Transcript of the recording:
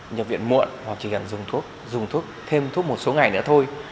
nhập viện muộn hoặc chỉ cần dùng thuốc dùng thuốc thêm thuốc một số ngày nữa thôi